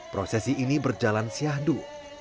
prosesi ini berjalan siahdu